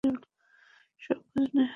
সবখানে হাজির হয়ে যায়।